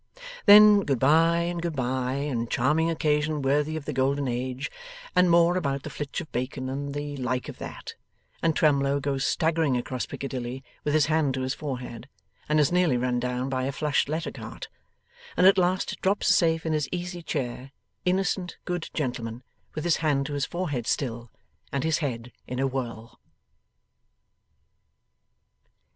Then good bye and good bye, and charming occasion worthy of the Golden Age, and more about the flitch of bacon, and the like of that; and Twemlow goes staggering across Piccadilly with his hand to his forehead, and is nearly run down by a flushed lettercart, and at last drops safe in his easy chair, innocent good gentleman, with his hand to his forehead still, and his head in a whirl.